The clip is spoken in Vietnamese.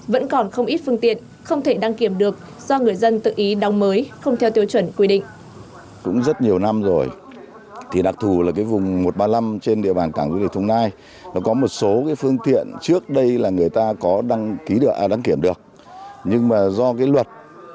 bên cạnh những phương tiện đạt tiêu chuẩn vẫn còn không ít phương tiện không thể đăng kiểm được